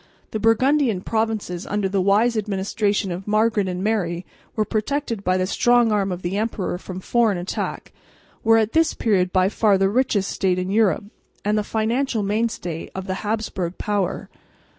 The Burgundian provinces under the wise administrations of Margaret and Mary, and protected by the strong arm of the emperor from foreign attack, were at this period by far the richest state in Europe and the financial mainstay of the Habsburg power.